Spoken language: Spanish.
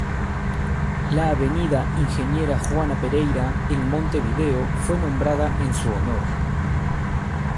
La avenida Ing. Juana Pereyra en Montevideo fue nombrada en su honor.